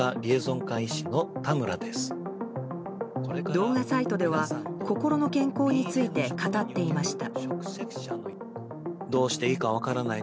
動画サイトでは心の健康について語っていました。